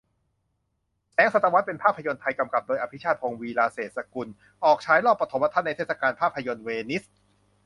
แสงศตวรรษเป็นภาพยนตร์ไทย กำกับโดย อภิชาติพงศ์ วีระเศรษฐกุล ออกฉายรอบปฐมทัศน์ในเทศกาลภาพยนตร์เวนิส